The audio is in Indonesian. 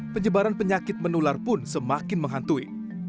penyebaran penyakit menular pun semakin menghantui